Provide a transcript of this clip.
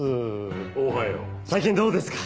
最近どうですか？